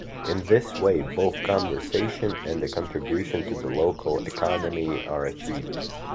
In this way both conservation and a contribution to the local economy are achieved.